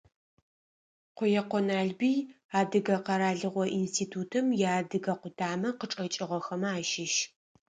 Къуекъо Налбый, Адыгэ къэралыгъо институтым иадыгэ къутамэ къычӏэкӏыгъэхэмэ ащыщ.